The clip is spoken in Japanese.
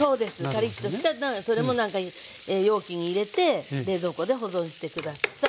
カリっとしたらそれもなんか容器に入れて冷蔵庫で保存して下さい。